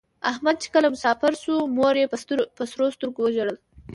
احمد چې کله مسافر شو مور یې په سرو سترگو ژړل.